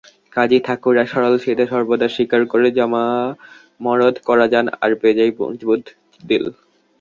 কাজেই ঠাকুররা সরল-সিধে, সর্বদা শিকার করে জমামরদ কড়াজান আর বেজায় মজবুত দিল্।